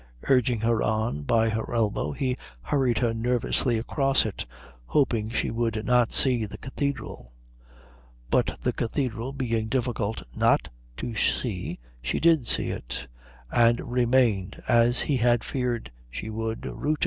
Urging her on by her elbow he hurried her nervously across it, hoping she would not see the Cathedral; but the Cathedral being difficult not to see she did see it, and remained, as he had feared she would, rooted.